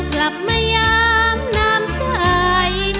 กลับมายามน้ำใจ